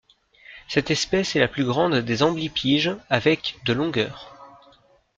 Cette espèce est la plus grande des amblypyges, avec de longueur.